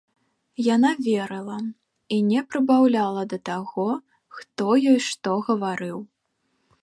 Яна верыла і не прыбаўляла да таго, хто ёй што гаварыў.